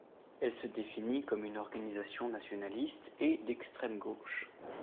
Elle se définit comme une organisation nationaliste et d'extrême gauche.